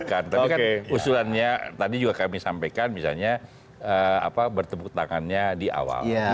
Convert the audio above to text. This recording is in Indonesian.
tapi kan usulannya tadi juga kami sampaikan misalnya bertepuk tangannya di awal